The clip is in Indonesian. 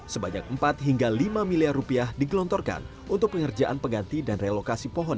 sebanyak empat hingga lima miliar rupiah digelontorkan untuk pengerjaan pengganti dan relokasi pohon